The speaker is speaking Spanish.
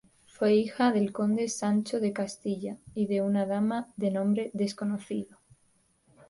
Fue hija del conde Sancho de Castilla y de una dama de nombre desconocido.